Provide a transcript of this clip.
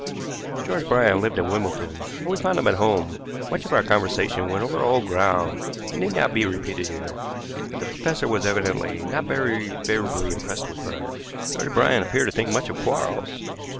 George Bryant lived at Wimbledon, and we found him at home. Much of our conversation went over old ground, and need not be repeated here; but the professor was evidently not very favorably impressed with Bryant. Nor did Bryant appear to think much of Quarles.